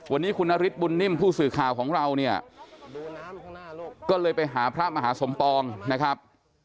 วันนี้คุณนฤทธบุญนิ่มผู้สื่อข่าวของเราเนี่ยก็เลยไปหาพระมหาสมปองนะครับ